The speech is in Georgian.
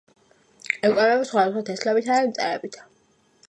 იკვებება სხვადასხვა თესლებითა და მწერებით.